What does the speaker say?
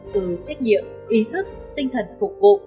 từ trách nhiệm ý thức tinh thần phục vụ